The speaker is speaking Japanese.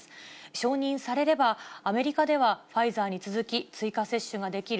承認されれば、アメリカではファイザーに続き、追加接種ができる